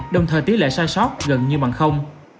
đồng thời tỷ lệ sai sót gần như bằng